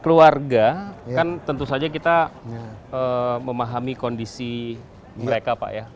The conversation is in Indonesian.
keluarga kan tentu saja kita memahami kondisi mereka pak ya